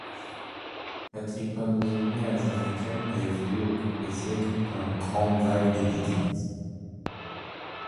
La trypanosomiase africaine a évolué au cours des siècles par grandes vagues épidémiques.